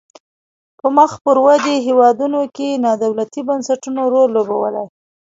په مخ پر ودې هیوادونو کې نا دولتي بنسټونو رول لوبولای.